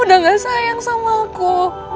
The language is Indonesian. mama udah gak sayang sama aku